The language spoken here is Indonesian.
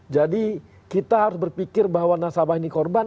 jadi kita harus berpikir bahwa nasabah ini korban